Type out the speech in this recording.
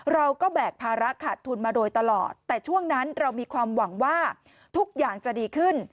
แบกภาระขาดทุนมาโดยตลอดแต่ช่วงนั้นเรามีความหวังว่าทุกอย่างจะดีขึ้น